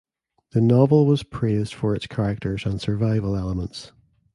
The novel was praised for its characters and survival elements.